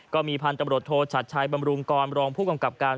ก็มีพันธุ์ตำรวจโทชัดชัยบำรุงกรรองผู้กำกับการ